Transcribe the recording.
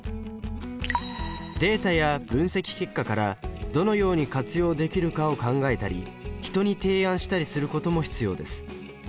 データや分析結果からどのように活用できるかを考えたり人に提案したりすることも必要です。